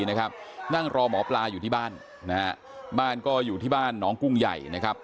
นั่งรอหมอปลาอยู่ที่บ้านนะฮะบ้านก็อยู่ที่บ้านน้องกุ้งใหญ่นะครับ